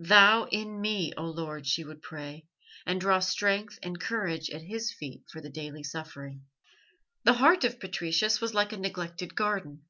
"Thou in me, O Lord," she would pray, and draw strength and courage at His feet for the daily suffering. The heart of Patricius was like a neglected garden.